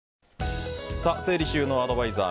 整理収納アドバイザー